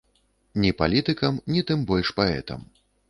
Ні палітыкам, ні, тым больш, паэтам.